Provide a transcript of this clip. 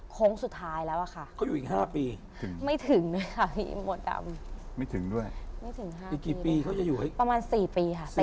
เพราะว่าอายุไข่จริงคือ๔๕